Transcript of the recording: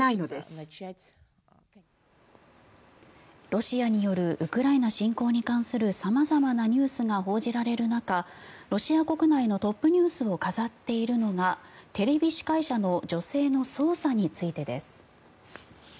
ロシアによるウクライナ侵攻に関する様々なニュースが報じられる中ロシア国内のトップニュースを飾っているのがテレビ司会者の女性の捜査についてです。